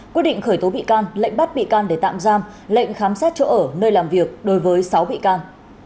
quyết định khởi tố bị can lệnh bắt bị can để tạm giam lệnh khám xét chỗ ở nơi làm việc đối với sáu bị can